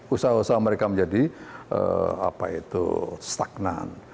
usaha usaha mereka menjadi stagnan